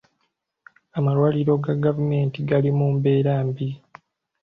Amalwaliro ga gavumenti gali mu mbeera mbi.